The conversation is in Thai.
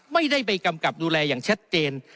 ไม่ได้ไปกำกับดูแลอย่างชัดเจน